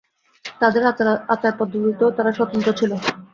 তাদের আচার-পদ্ধতিতেও তারা স্বতন্ত্র ছিল।